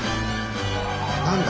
何だ？